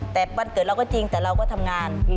แต่วันเกิดเราก็จริงแต่เราก็ทำงาน